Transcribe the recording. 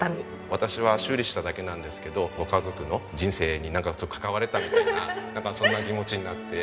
私は修理しただけなんですけどご家族の人生にちょっと関われたみたいななんかそんな気持ちになって。